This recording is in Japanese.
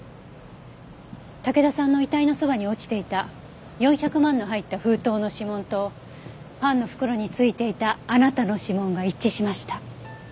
武田さんの遺体のそばに落ちていた４００万の入った封筒の指紋とパンの袋についていたあなたの指紋が一致しました。